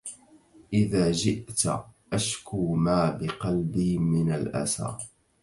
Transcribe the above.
إذا جئت أشكو ما بقلبي من الأسى